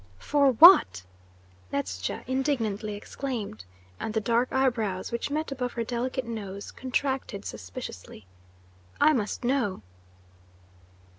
"For what?" Ledscha indignantly exclaimed, and the dark eyebrows which met above her delicate nose contracted suspiciously. "I must know!"